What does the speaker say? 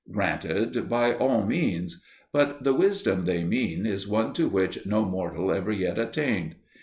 Granted, by all means. But the "wisdom" they mean is one to which no mortal ever yet attained.